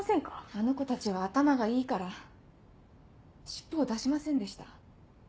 あの子たちは頭がいいから尻尾を出しませんでした。